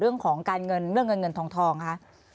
เรื่องของการเงินเรื่องเงินเงินทองคะ